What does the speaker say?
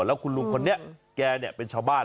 แล้วคุณลุงคนนี้แกเป็นชาวบ้าน